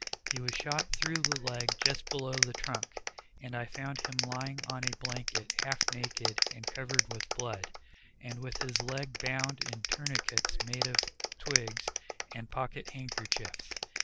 He was shot through the leg just below the trunk, and I found him lying on a blanket half naked and covered with blood, and with his leg bound in tourniquets made of twigs and pocket handkerchiefs.